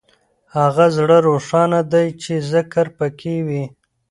هغه زړه روښانه دی چې ذکر پکې وي.